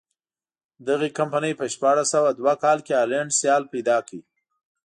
دغې کمپنۍ په شپاړس سوه دوه کال کې هالنډی سیال پیدا کړ.